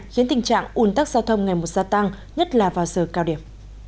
khiến tình trạng ủn tắc giao thông ngày một gia tăng nhất là vào giờ cao điểm